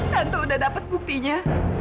tentu udah dapat buktinya